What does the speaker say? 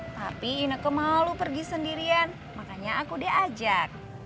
tapi ineke malu pergi sendirian makanya aku diajak